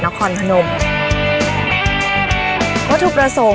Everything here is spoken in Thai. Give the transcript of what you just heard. เป็นทางของน้ำขง